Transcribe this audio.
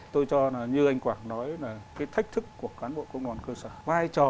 tôi cho là như anh quảng nói là cái thách thức của cán bộ công đoàn cơ sở